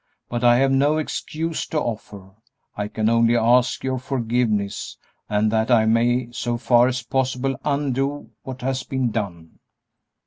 But I have no excuse to offer; I can only ask your forgiveness, and that I may, so far as possible, undo what has been done."